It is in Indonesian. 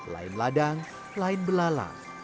lain ladang lain belalang